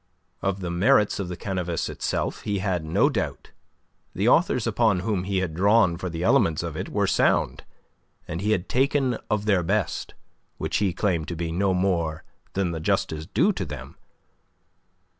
Of the merits of the canevas itself he had no doubt. The authors upon whom he had drawn for the elements of it were sound, and he had taken of their best, which he claimed to be no more than the justice due to them.